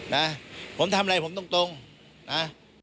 นะผมทำอะไรผมตรงนะ